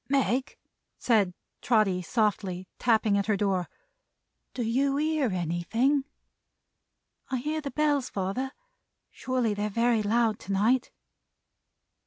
"Meg," said Trotty, softly; tapping at her door. "Do you hear anything?" "I hear the Bells, father. Surely they're very loud to night."